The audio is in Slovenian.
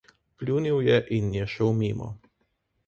Pljunil je in je šel mimo.